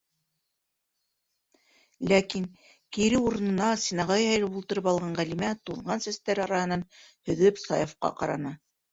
Ләкин, — кире урынына, стенаға һөйәлеп ултырып алған Ғәлимә туҙған сәстәре араһынан һөҙөп Саяфҡа ҡараны.